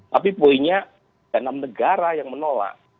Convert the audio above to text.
tapi poinnya ada enam negara yang menolak